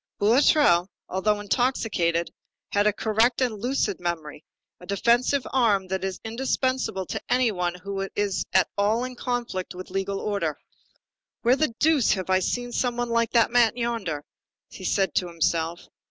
Boulatruelle, although intoxicated, had a correct and lucid memory, a defensive arm that is indispensable to any one who is at all in conflict with legal order. "Where the deuce have I seen something like that man yonder?" he said to himself.